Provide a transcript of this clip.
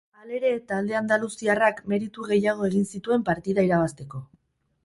Halere, talde andaluziarrak meritu gehiago egin zituen partida irabazteko.